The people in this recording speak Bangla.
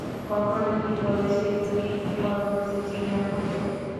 কখনো কি বলেছি তুমিই পরবর্তী জিএম হবে?